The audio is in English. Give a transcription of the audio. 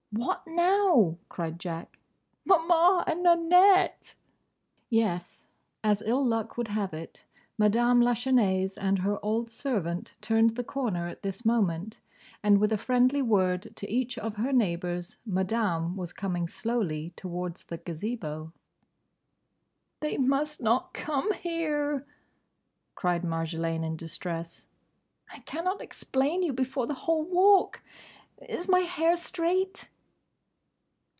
"What now?" cried Jack. "Maman and Nanette!" Yes. As ill luck would have it Madame Lachesnais and her old servant turned the corner at this moment, and with a friendly word to each of her neighbours Madame was coming slowly towards the Gazebo. "They must not come here!" cried Marjolaine in distress. "I cannot explain you before the whole Walk!—Is my hair straight?"